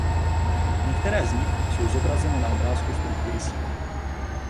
Některé z nich jsou zobrazeny na obrázku struktury sítě.